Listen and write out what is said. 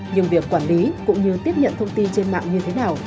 nhưng việc quản lý cũng như tiếp nhận thông tin trên mạng như thế nào